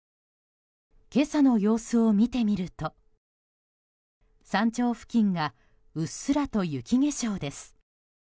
今朝の様子を見てみると山頂付近がうっすらと雪化粧です。